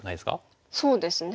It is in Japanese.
そうですね。